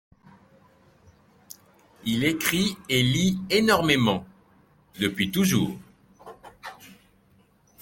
Il écrit et lit énormément, depuis toujours.